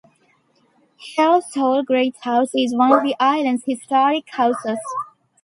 Halse Hall Great House is one of the island's historic houses.